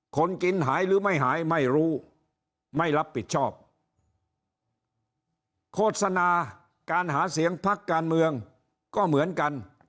คนกินหายหรือไม่หายไม่รู้ไม่รับผิดชอบโฆษณาการหาเสียงพักการเมืองก็เหมือนกัน